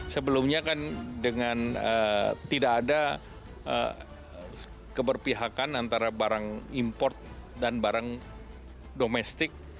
sebelumnya kan dengan tidak ada keberpihakan antara barang import dan barang domestik